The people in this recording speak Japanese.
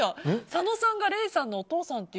佐野さんが礼さんのお父さんって。